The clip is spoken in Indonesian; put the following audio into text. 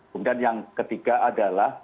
kemudian yang ketiga adalah